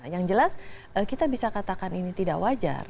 yang jelas kita bisa katakan ini tidak wajar